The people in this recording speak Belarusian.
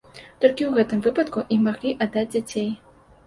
Толькі ў гэтым выпадку ім маглі аддаць дзяцей.